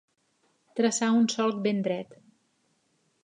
Traçar un solc ben dret.